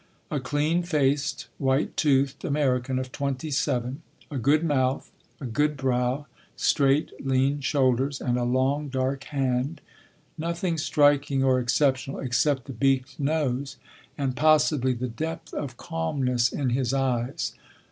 A clean faced, white toothed American of twenty seven—a good mouth, a good brow, straight lean shoulders, and a long dark hand—nothing striking or exceptional, except the beaked nose, and possibly the depth of calmness in his eyes.